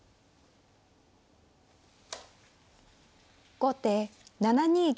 後手７二玉。